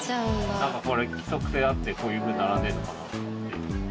なんかこれ規則性があってこういうふうに並んでるのかなと思って。